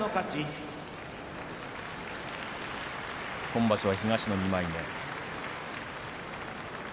今場所は東の２枚目。